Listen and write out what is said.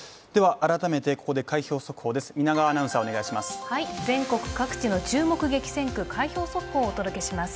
改めてここで開票速報です。